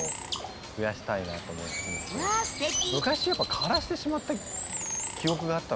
昔やっぱ枯らしてしまった記憶があったので。